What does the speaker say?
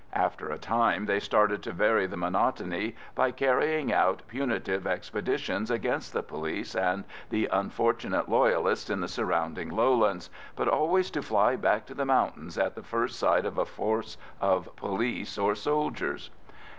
After a time they started to vary the monotony by carrying out punitive expeditions against the police and the unfortunate Loyalists in the surrounding lowlands, but always to fly back to the mountains at the first sight of a force of police or soldiers.